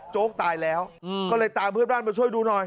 ตายแล้วก็เลยตามเพื่อนบ้านมาช่วยดูหน่อย